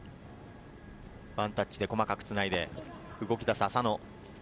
ワンタッチで細かくつないで動きだす浅野。